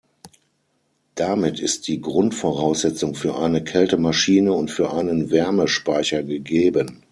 Damit ist die Grundvoraussetzung für eine Kältemaschine und für einen Wärmespeicher gegeben.